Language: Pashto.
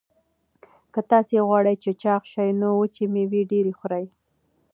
که تاسي غواړئ چې چاغ شئ نو وچې مېوې ډېرې خورئ.